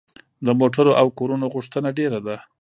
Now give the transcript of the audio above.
د موټرو او کورونو غوښتنه ډیره ده.